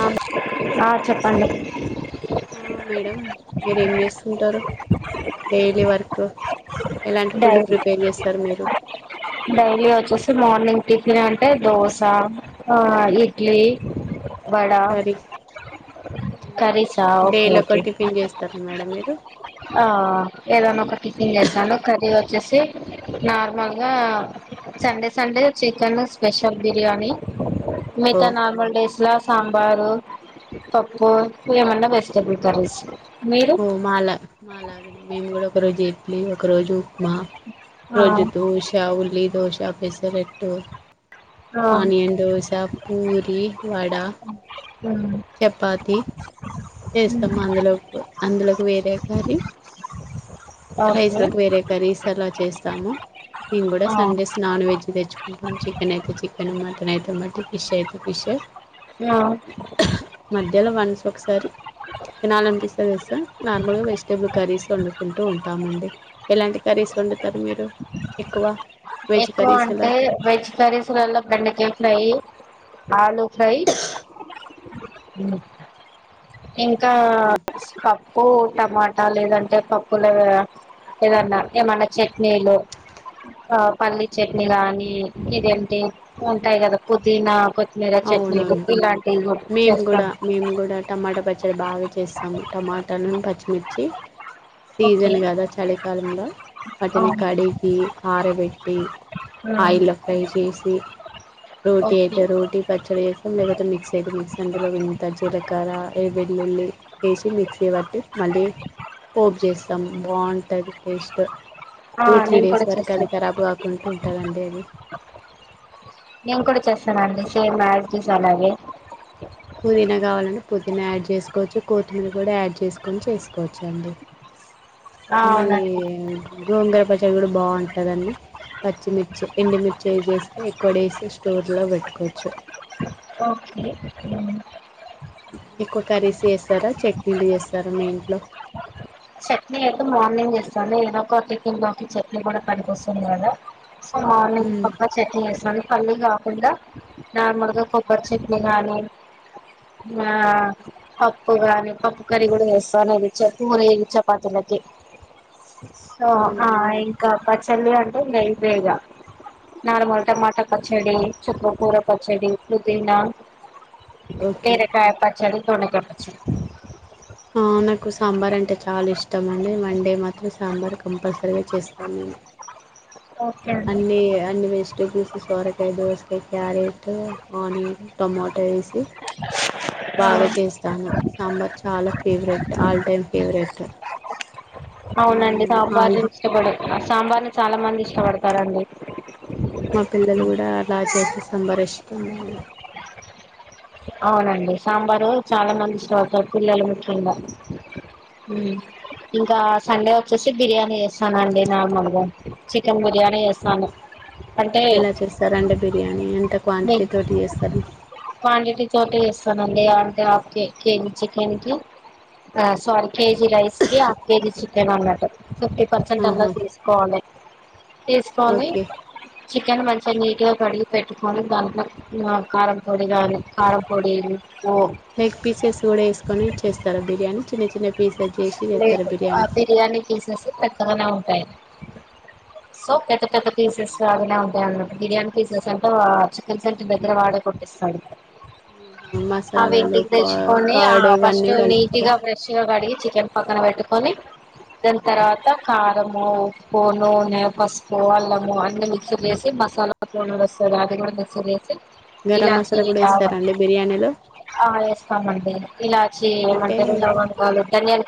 ఆ ఆ చెప్పండి. స్తుంటారు. Daily work. కు డైలీ డైలీ వచ్చేసి మార్నింగ్ టిఫిన్ అంటే దోస ఆ ఇడ్లీ వడా కర్రీ కర్రీసా ఓకే ఓకే అ ఆ ఏదన్న ఒక టిఫిన్ చేస్తాను కర్రీ వచ్చేసి నార్మల్గా Sunday Sunday chicken special biryani ఓహో మీతో నార్మల్ డేస్లో సాంబారు పప్పు ఇగ ఏమన్న వెజిటబుల్ కర్రీస్ మీరు మ్ మాలా మా లాగనే మేము కూడా ఒక రోజు ఇడ్లీ ఒక రోజు ఉప్మా ఒక ఆ రోజు దోష ఉల్లిదోశ పేసరెట్టు ఆ ఆనియన్ దోశ పూరి వడ ఉమ్, చపాతి ఉమ్, చేస్తాము అందులో అందులోకి వేరే కర్రీ రైస్ ఓకే లోకి వేరే కర్రీ ఇస్సలా చే చేస్తాము మేం గుడ ఆ సండేస్ నాన్ వెజ్ తెచ్ చికెన్ అయితే చికెన్ మటన్ అయితే మటి ఫిష్ అయితే ఫిష్ ఆ మధ్యలో వన్స్ ఒకసారి తినాలనిపిస్ నార్మల్గా వెజిటబుల్ కర్రీస్ వండుకుంటూ ఉంటామండి. ఎలాంటి కర్రీస్ వం వెజ్ ఎక్కువ కర్రీస్ ఎలా అంటే వెజ్ కరీస్లల బెండకాయ ఫ్రై ఆలు ఫ్రై ఇంకా పప్పు, టమా ట లేదంటే పప్పులో ఏదన్న ఏమన్న చట్నీలు ఆ పల్లీ చట్నీ గానీ ఇదేంటి ఉంటాయి కదా పుదీనా కొత్మీర చట్నీలు అవునవును ఇలాంటివి చేస్తాను ట పచ్చడ బాగా చేస్తాము టమాటలును పచ్చిమిర్చి ఓకే సీజన్ కదా చలికాలంలో వాటిని అవును కడిగి ఆరబట్టి ఉమ్ ఆయిల్ల ఫ్రై చేసి రోటీ ఓకే అయితే రోటి పచ్చడ చేస్తాం లేకపోతే మిక్స్ అయితే మిక్స్ అందులో వింత జీలకర్ర ఏ వెల్లుల్లి ఏసి మిక్సీ పట్టి మళ్ళీ పోపు చేస్తాము బాగుంటది టేస్ట్ ఆ టూ త్రీ నేను డేస్ కూడా వరకు అది చేస్తాను ఖరాబ్ కాకుంటుంటదండి అది నండి సేమ్ ఆస్టిస్ అలాగే పుదీనా కావాలంటే పుదీనా యాడ్ చేస్కోవచ్చు. కోత్తిమీర్ కూడా యాడ్ చేస్కొని చేస్కోవచ్చు అండి ఆ మళ్ళీ అవునండి గోంగూర పచ్చడి కూడా బాగుం కదండి. పచ్చిమిర్చి ఎండుమి చేజేస్తే ఎక్కువ డేస్ స్టోర్ల వేట్టుకోవచ్చు ఓకే ఎక్కువ కర్రీస్ చేస్తారా చట్నీలు చేస్తారా మీ ఇంట్లో చట్నీ అయితే మార్నింగ్ చేస్తా ఆన్లీ ఏదో ఒక టిఫిన్ లోకి చట్నీ కూడా పనికొస్తుంది కదా సో మార్నింగ్ హ్మ్ పక్క చెట్నీ చేసినండి పల్లి కాకుండా నార్మల్ గా కొబరి చట్నీ గానీ ఆ పప్పు గాని పప్పు కర్రీ కూడా వేస్తా అనేది చెప్పు మరి చపాతీ లోకి సో ఆ అవునండి ఇంకా పచ్ చెల్లి అంటే నయి తేజ నార్మల్ టమాటా పచ్చడి చుక్కకూర పచ్చడి పుదీనా ఓకే బీరకాయా పచ్చడి దొండకాయ పచ్చడ ఆ నాకు సాంబార్ అంటే చాలా ఇష్టం అండి మండే మాత్రం సాంబార్ కంపల్సరీగా చేస్తాను నేను ఓకే అండి అన్ని అన్ని వేస్ ట్యుటోబు సొరకాయ, దోసకాయ క్యారెట్ ఆనియన్ టొమాటో వేసి బాగా చేస్తాను సాంబార్ చాలా ఫేవరెట్ ఆల్ టైమ్ ఫేవరెట్. అవునండి సాంబార్ ఆల్ ఇష్టపడ ఆ సాంబార్ని చాలా మంది ఇష్టపడతారండి మా పిల్లలు కూడా అట్లా చూపిస్తాం బా రెస్ట్ ఉండలీ. అవునండి సాంబారు చాలా మంది ఇష్టపడతారు పిల్లలు ముఖ్యంగా ఉ ఇంకా సండే వచ్చేసి బిర్యానీ చేస్తానుండి నార్మల్గా చికెన్ బిర్యానీ వేస్తాను ఎలా చేస్తార్ రెడు బిర్యా టా మీ క్వాంటిటీ తోటి చేస్తారు క్వాంటిటీ తోటి ఇస్తానండి అంటే హాఫ్ కే కేజీ చికెన్ కి సారీ కేజీ రైస్ కి హాఫ్ కేజీ చికెన్ అన్నట్టు. ఫిఫ్టీ పర్సెంట్ అన్నా ఆహా తీసుకోవలీ తీసుకోానీ ఓకే చికెన్ మంచిగా నీట్ గా కడిగి పెట్టుకోొని దాంట్లో కారం పొడి గాని కారం పొడిలు లెగ్ పీసెస్ కూడా వేసుకొని చేస్తారుా బిర్యానీ చిన్న చిన్న పీస్జ బిరియాని తీస్ అసి పెద్దగానే ఉంటాయి సో పెద్ద పెద్ద పీసెస్ అవి ఉంటాయిన్నమాట బిర్యానీ పీసెస్ అంటే చికెన్ సెంట దగ్గర వాడే కొట్టిస్తాడు. ఆవి మసాలాలు ఇంటికి పా తెచ్చకని ఆ కర్డ్ ఇవన్నీ ఫస్ట్ నీట్ కలుపుతారా గా ఫ్రెష్ గా కడిగి చికెన్ పక్కన పెట్టుకొని దాని తర్వాత కారం ఉప్పును నే పసుపు అల్లము అన్ని మిక్సీ చేసి మసాలా తూనులు వస్తుంది అది కూడా మిక్సీ కేసి. గరం ఇకాచి మసాలా కూడా లవం, వేస్తారండి బిర్యానీలో ఆ వేస్తామండి ఇలాచి అంటే ఏమంటరూ లవంగాలు ధనియాలు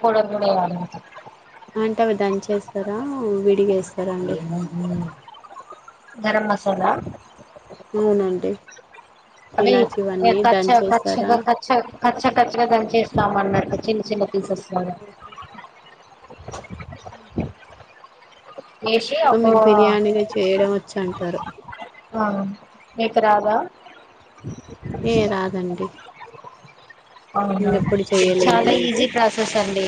అంటే అవి దనించేస్తారా విడిగేస్త రండి గరం మసాలా అవునండి అవి ఇలాచి ఇవన్నీ కచ్చ దంచేస్తారా కచ్చగా క కచ్చ కచ్చగా దంచి చేస్త సామాన్నాటు చిన్న చిన్న పీసెస్ లాగా ఓకే అహా వేసి సో ఒక మీకు బిర్యానీగా చేయడం వచ్చ అంటారు ఆ నీకు రాదా ఏ రాదండి అవునా నేను ఎప్పుడు చేయలేదు చాలా ఈజీ ప్రాసెస్ అండి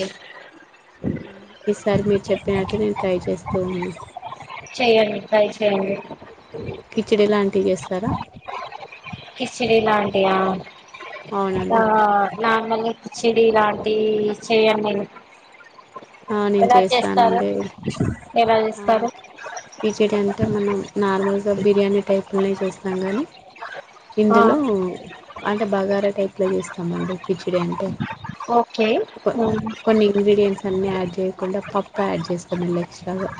ఈసారి మీరు చెప్పినట్టు నేను ట్రై చేస్తూ ఉన్నా చెయ్యండి ట్రై చెయ్యండి అ వేస్తారా కిచిడీలాంటియా ఆ అవునండి మామూలుగా కిచిడీ ఇలాంటివి చేయను నేను ఆ నేను ఎలా చేస్తారు చేస్తానండి ఏలా చేస్తారు కిచిడీ అంటే మనం నార్మల్గా బిర్యానీ టైపులనే చేస్తాం కానీ ఆ, ఇందులో అంటే బగారా టైప్లో చేస్తామండి కిచిడి అంటే ఓకే కొ ఉమ్, కొన్ని ఇంగ్రీడియంట్స్ అన్ని ఆడ్ చేయకుండా పప్పు యాడ్ చేస్తాం మళ్ళీ ఎక్స్ట్రాగా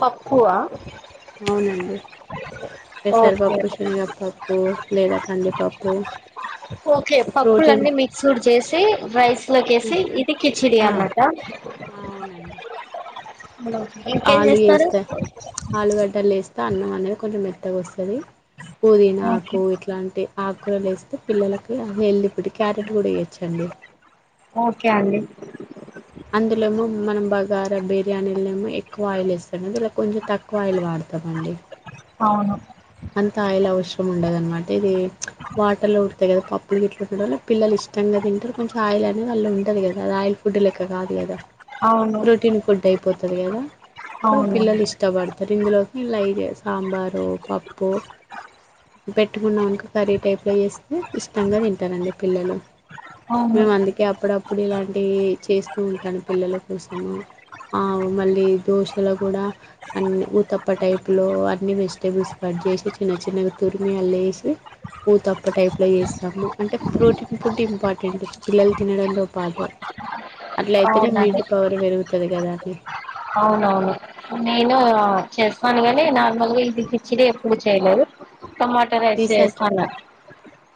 పప్పు ఆ పెసరిపప్పు శనగ పప్పు లేదా కందిపప్పు ఓకే ప్రోటీన్ పప్పులన్నీ మిక్స్డ్ చేసి రైస్ లోకేసి ఇది కిచిడి ఆ అన్నట ఆ అవునండి ఇంకేం ఆలు చేస్తారు వేస్తా ఆలుగడ్డలు వేస్తే అన్నం అనేది కొంచెం మెత్తగోస్తుం ఓకే పుదీనాకు ఇట్లాంటి ఆకురాలు వేస్తే పిల్లలకి అది హెల్తీ ఫుడ్ క్యారెట్ కూడా వేయోచ్చండి ఓకే అండి బగారా బిర్యానీలు ఏమో ఎక్కువ ఆయిల్ ఏయిస్తామండి ఇల్లా కొంచెం తక్కువ ఆయిల్ వాడతామండి అవును అంత ఆయిల అవసరం ఉండదనమాట ఇది వాటర్ లో ఉడకవే పప్ ప్పుడు గిట్ల ఉండడం వల్ల పిల్లలు ఇష్టంగా తింటారు కొంచెం ఆయిల్ అనేదళ్ళ ఉండదు కద అది ఆయిల్ ఫుడ్ లలెక్క కాదు కదా అవును ప్రోటీన్ ఫుడ్ అయిపోతది కదా సో అవును పిల్లలు ఇష్టపడతారు ఇందులోకి లైట్గా సాంబారో పప్ ను పెట్టుకున్నాను ఒక కర్రీ టైప్ లో చేస్తే ఇష్టంగా తింటానండి పిల్లలు అవును మేము అందుకే అప్పుడప్పుడు ఇలాం ఇ చేస్తూ ఉంటాను పిల్లల కోసం ఆ మళ్ళీ దోశలో కూడా అన్ని ఊతప్ప టైపులో అన్ని వెజిటేబుల్స్ కట్ చేసి చిన్న చిన్నగా తురిమి అల్లా ఏసి ఉత్తప్ప టైప్లో ఏస్తాము అంటే ఫ్రూటిన్ ఫుడ్ ఇంపార్టెంట్ పిల్లలు తినడంతో పాటు అట్ల అయితేనే అవునండి ఇమ్మ్యూనిటి పవర్ పెరుగుత ఉంటది కదా అండి అవునవును నేను చేస్తాను కాని నార్మల్గా ఇది కిచిడి ఎప్పుడు చేయలేదు టొమాటో రైస్ రీసెర్చ్ చేస్తన్న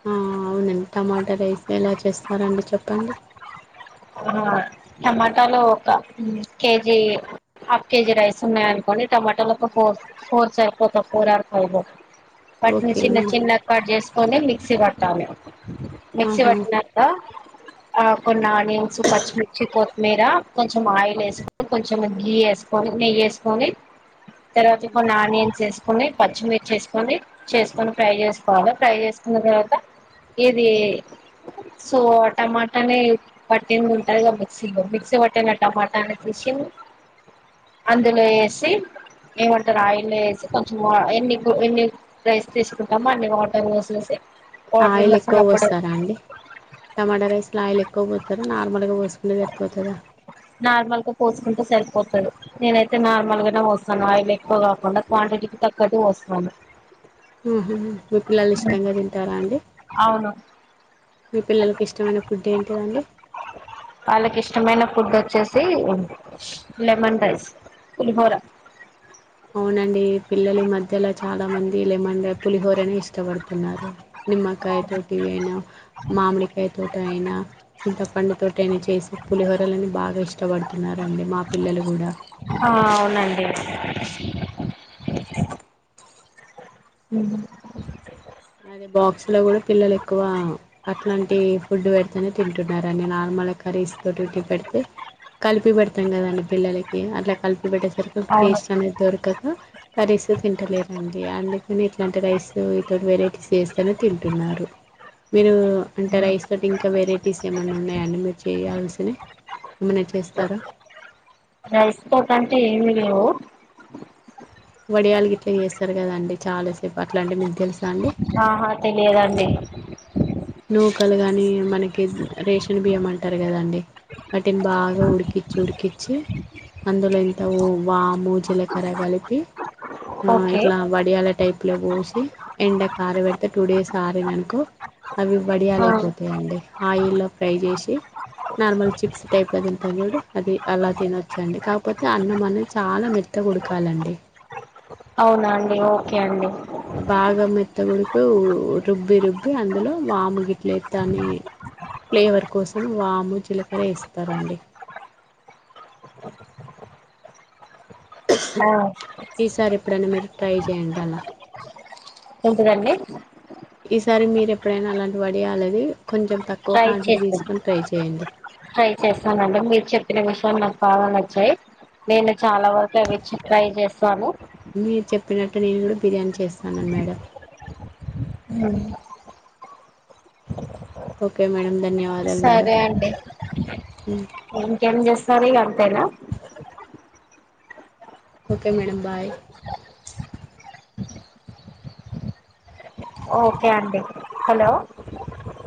ఆ అవునండి టమాటా రైస్ ఎలా చేస్తారండి చెప్పండి టమాటాాలు ఒక కేజీ హాఫ్ కేజీ రైస్ ఉన్నాయ అనుకోండి టమాటాలు ఒక ఫోర్ ఫోర్స్ సరిపోతాయి ఫోర్ ఆర్ ఫైవ్ వాట్ని ఓకే చిన్న చిన్నగా కట్ చేసుకుని మిక్సీ పట్ దామ మిక్సీ ఆహా పట్టినాక ఆ కొన్ని ఆనియన్స్ పచ్చిమిర్ చ్చ కొత్తిమీర కొంచెం ఆయిల్ వేసుకొని కొంచెం గి వేసుకొని నెయ్యి వేసుకొని తర్వాత హ్మ్. కొన్ని ఆనియన్స్ వేసుకొని కని పచ్చిమిర్చేసుకొని చేసుకొని ఫ్రై చేసుకోవాలి ఫ్రై చేసుకున్న తర్వాత ఇది సో టమాటాని పట్టింది ఉంటుంది కదా మిక్సీ పట్టిన టమాటాన్ని తీసి అందులో వేసి ఏమంటారు ఆయిల్ వేసి కొంచెం ఎన్ని ఎన్ని రైస్ తీసుకుంటామో అన్ని వాటర్ వసేసి ఆయిల్ ఎక్కువ పోస్తారా అండి టమాటా రైస్ లో ఆయిల్ ఎక్కువ పోస్తారు నార్మల్ గా పోసుకు సరిపోతద నార్మల్ గా పోసుకుంటే సరిపోతారు నేనైతే నార్మల్ గానే పోస్తాను ఆయిల్ ఎక్కువ కాకుండా క్వాంటిటీకి తగ్గట్టు పోస్తాను మీ పిల్లలు ఇష్టంగా తింటారా అండి అవును మీ పిల్లలకు ఇష్టమైన ఫుడ్ ఏంటిదండి వాళ్ళకి ఇష్టమైన ఫుడ్ వచ్చేసి లెమన్ రైస్ పులిహోర అవునండి పిల్లలిఈమధ్య అలా చాలా మంది లెమన్ పులిహోరనే ఇష్టపడుతున్నారు నిమ్మకాయ తోటివి అయినా మామిడికాయ తోటి యినా చింత పండుతోటనే చేసి పులిహోరలని బాగా ఇష్టపడుతున్నారండి మా పిల్లలు కూడా ఆ అవునండి ఉహు అదే బాక్స్ లో కూడా పిల్లలు ఎక్కువ అట్లాంటి ఫుడ్ పెడితేనే నార్మల్ కర్రీస్ తోటీ పెడితే కలిపి పెడతాం కదండీ పిల్లలకి అట్లా కలిపి పెట్టేసరికి ఒక అవును టేస్ట్ అనేది దొరకదు కర్రీస్ తో తింటలేరండి అం కానీ ఇట్లాంటి రైస్ తోటి వెరై ఫేస్ చని తింటున్నారు మీరు అంటే రైస్ తోటి ఇంకా వెరైటీస్ ఏమైన్నా ఉన్నాయా అండి మీరు చేయయాల్సి చి రైస్ తోటి అంటే ఏమి హలో వడియాలు ఇట్లా చేస్తారు కదండి. చాలా సేపు అట్లాంటి మీక్ తెలుసు ఆహా తెలియదండి [inaudible] నూకలు కానీ మనకి రేషన్ బియ్యం అంటారు. కదండి వాటిని బాగా ఉడికిచి ఉడికిచి అందులో ఇంత వాము, జీలకర్ర కలిపి ఆ ఓకే ఇట్లా వడియాల టైప్ లో పోసి ఎండకి ఆరబెడితే టు డేస్ ఆరినంక అవి ఆ వడియాలయిపోతాయండి ఆయిల్లో ఫ్రై చేసి నార్మల్ చిప్స్ టైప్లో తింటారు. చూడు అది అలా తినొచ్చు అండి. కాకపోతే, అన్నం అనేది చాలా మెత్తగ ఉడకాలండి. అవునా అండి ఓ కే అండి అత్త గుడుకు రుబ్బి రుబ్బి అందులో వాము గిట్ల ఎత్తనే అని ఫ్లేవర్ కోసం వాము జీలకర వేస్తారండి. ఆ ఈసారి ఎప్పుడైనా మీరు ట్రై చేయండి అలా ఎంటి దండి ఈసారి మీరు ఎప్పుడైనా అలాంటి వడియాలివి ట్రై చేస్తాను చేయండి ట్రై చేస్తానండి మీరు చెప్పిన విషయంలో బాగ నచ్చయ్ నేను చాలా వరకు అవి ఇచ్చి ట్రై చేస్ సను మీరు చెప్పినట్టు నేను కూడా బిర్యానీ చేస్తానన మేడం ఉ ఓకే మేడ ధన్యవాద సరే అండి ఉ ఏం చేస్తది ఇ అం అంతెనా ఓకే మేడం బాయ్ ఓకే అండి హలో